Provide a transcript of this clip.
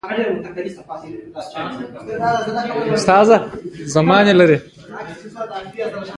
چې له امله یې کاروان درېدلی و، سړک مې پرېښود.